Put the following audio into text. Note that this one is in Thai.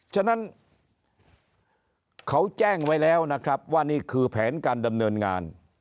ฉะนั้นเขาแจ้งไว้แล้วนะครับว่านี่คือแผนการดำเนินงาน